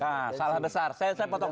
nah salah besar saya potong